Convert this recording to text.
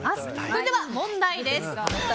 それでは、問題です。